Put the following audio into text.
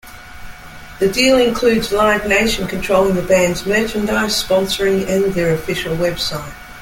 The deal includes Live Nation controlling the band's merchandise, sponsoring and their official website.